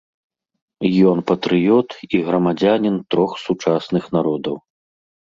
Ён патрыёт і грамадзянін трох сучасных народаў.